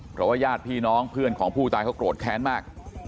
เพราะว่าญาติพี่น้องเพื่อนของผู้ตายเขาโกรธแค้นมาก